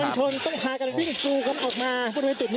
โอ้โหโอ้โหโอ้โหโอ้โหโอ้โห